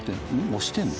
押してるの？